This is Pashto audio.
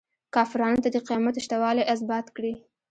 کافرانو ته د قیامت شته والی ازبات کړي.